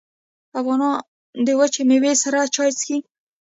افغانان د وچې میوې سره چای څښي.